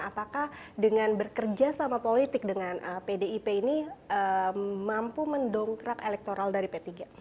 apakah dengan bekerja sama politik dengan pdip ini mampu mendongkrak elektoral dari p tiga